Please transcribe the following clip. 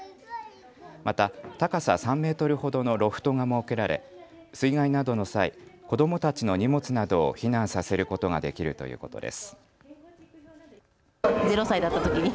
また高さ３メートルほどのロフトが設けられ水害などの際、子どもたちの荷物などを避難させることができるということです。